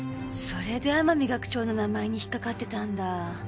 それで天海学長の名前に引っかかってたんだ。